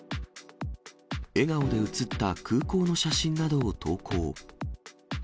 笑顔で写った空港の写真などを投稿。